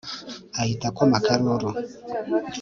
ahita akoma akaruru